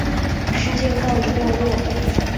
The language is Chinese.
事件告一段落。